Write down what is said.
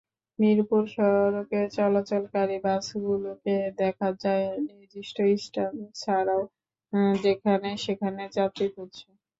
মিরপুর সড়কে চলাচলকারী বাসগুলোকে দেখা যায়, নির্দিষ্ট স্ট্যান্ড ছাড়াও যেখানে-সেখানে যাত্রী তুলছে।